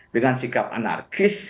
dengan sikap anarkis